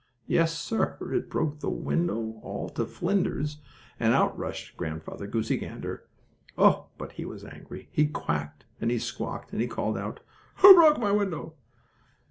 Yes, sir, it broke the window all to flinders, and out rushed Grandfather Goosey Gander! Oh, but he was angry! He quacked, and he squawked, and he called out: "Who broke my window?"